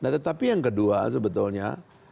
nah tetapi yang kedua sebetulnya